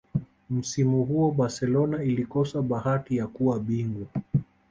msimu huo barcelona ilikosa bahati ya kuwa bingwa